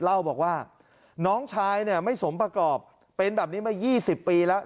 เล่าบอกว่าน้องชายเนี่ยไม่สมประกอบเป็นแบบนี้มา๒๐ปีแล้ว